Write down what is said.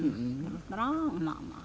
terus terus ma ma ma